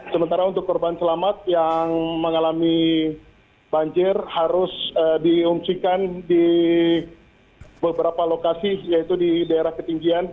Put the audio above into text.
sementara untuk korban selamat yang mengalami banjir harus diungsikan di beberapa lokasi yaitu di daerah ketinggian